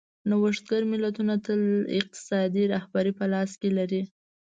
نوښتګر ملتونه تل اقتصادي رهبري په لاس کې لري.